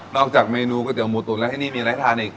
จากเมนูก๋วยเตี๋หมูตุ๋นแล้วที่นี่มีอะไรทานอีก